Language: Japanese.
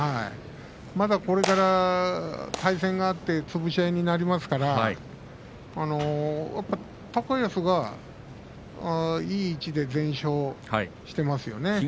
まだこれから対戦があってつぶし合いになりますから高安がいい位置で全勝していますね。